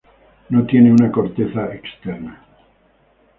No tiene una corteza externa.